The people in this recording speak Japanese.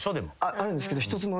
あるんですけど。